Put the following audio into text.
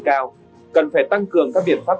cao cần phải tăng cường các biện pháp